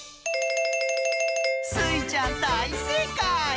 スイちゃんだいせいかい！